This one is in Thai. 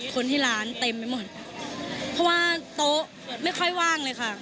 เข้มข้นกว่า